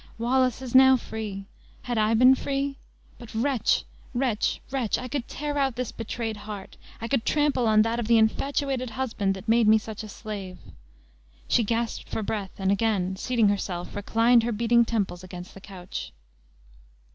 Wallace is now free; had I been free? But wretch, wretch, wretch; I could tear out this betrayed heart! I could trample on that of the infatuated husband that made me such a slave!" She gasped for breath, and again seating herself, reclined her beating temples against the couch.